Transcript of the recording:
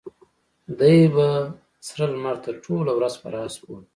دی به سره لمر ته ټوله ورځ پر آس سپور و.